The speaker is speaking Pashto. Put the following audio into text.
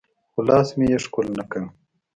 خو لاس مې يې ښکل نه کړ.